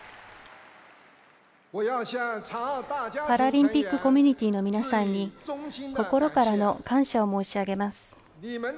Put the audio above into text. パラリンピックコミュニティーの皆さんに心から感謝を申し上げます。